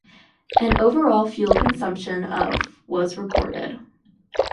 An "overall" fuel consumption of was recorded.